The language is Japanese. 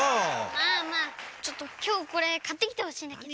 まあまあちょっときょうこれかってきてほしいんだけど。